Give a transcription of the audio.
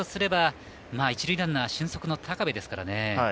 一塁ランナーは俊足の高部ですからね。